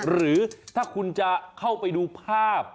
หรือถ้าคุณจะเข้าไปดูภาพ